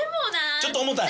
ちょっと重たい？